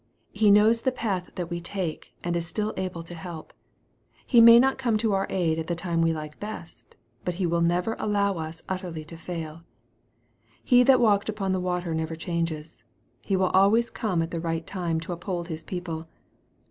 He knows the path that we take, and is still able to help. He may not come to our aid at the time we like best, but He will never allow us utterly to fail. He that walked upon the water never changes. He will always come at the right time to uphold His people.